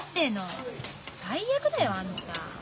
最悪だよあんた。